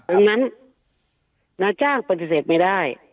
ดังนั้นนายจ้างปฏิเสธไม่ได้